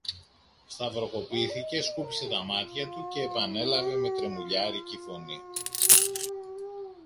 Σταυροκοπήθηκε, σκούπισε τα μάτια του κι επανέλαβε με τρεμουλιάρικη φωνή